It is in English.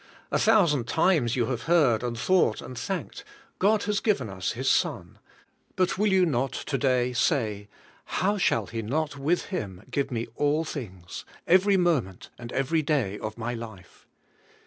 A thousand times you have heard, and thought, and thanked — "God has given us His Son;" but will you not to day say, "How shall He not with Him give me all things, every moment and ever}! day of my life?"